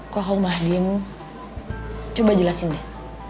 kau mau mahdim coba jelasin deh